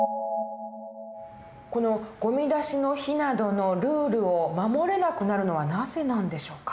このゴミ出しの日などのルールを守れなくなるのはなぜなんでしょうか？